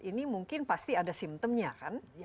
ini mungkin pasti ada simptomnya kan